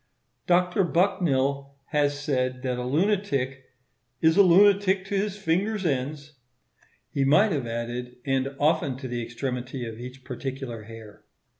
Dr. Bucknill has said that a lunatic "is a lunatic to his finger's ends;" he might have added, and often to the extremity of each particular hair.